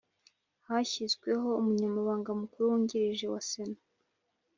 Hashyizweho Umunyamabanga Mukuru Wungirije wa Sena